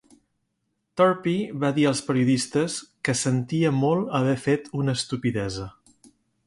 Turpie va dir als periodistes que sentia molt haver fet una "estupidesa".